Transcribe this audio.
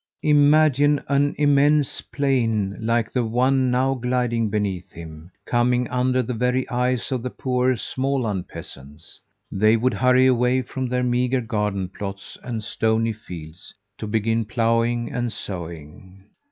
Imagine an immense plain like the one now gliding beneath him, coming under the very eyes of the poor Småland peasants! They would hurry away from their meagre garden plots and stony fields, to begin plowing and sowing.